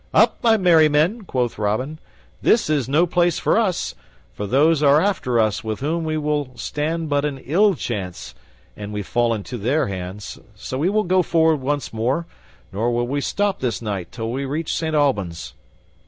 "Up, my merry men!" quoth Robin, "this is no place for us, for those are after us with whom we will stand but an ill chance an we fall into their hands. So we will go forward once more, nor will we stop this night till we reach Saint Albans."